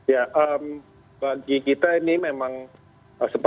ya bagi kita ini memang sempat sekali ya